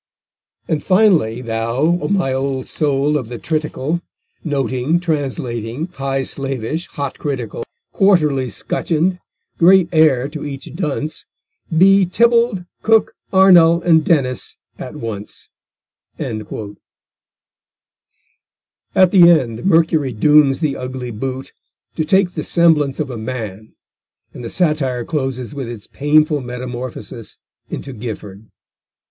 _And finally, thou, my old soul of the tritical, Noting, translating, high slavish, hot critical, Quarterly scutcheon'd, great heir to each dunce, Be Tibbald, Cook, Arnall, and Dennis at once_ At the end, Mercury dooms the ugly boot to take the semblance of a man, and the satire closes with its painful metamorphosis into Gifford.